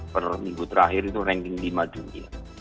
perninggu terakhir itu ranking lima dunia